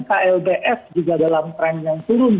klbf juga dalam tren yang turun